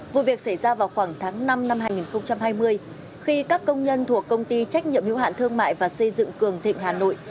vụ việc xảy ra vào khoảng tháng năm năm hai nghìn hai mươi khi các công nhân thuộc công ty trách nhiệm hữu hạn thương mại và xây dựng cường thịnh hà nội